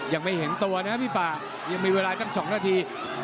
ยังไม่เห็นตัวนะพี่ป่ายังไม่เวลาอยู่กัน๒นาที